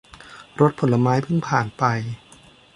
รถผลไม้เพิ่งผ่านไป